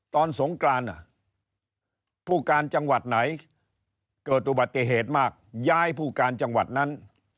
สงกรานผู้การจังหวัดไหนเกิดอุบัติเหตุมากย้ายผู้การจังหวัดนั้น